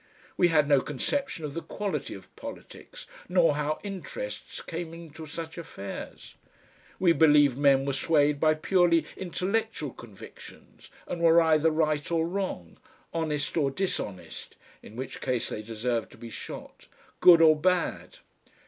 We had no conception of the quality of politics, nor how "interests" came into such affairs; we believed men were swayed by purely intellectual convictions and were either right or wrong, honest or dishonest (in which case they deserved to be shot), good or bad.